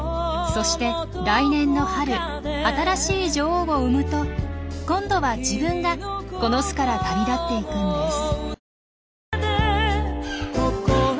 そして来年の春新しい女王を産むと今度は自分がこの巣から旅立っていくんです。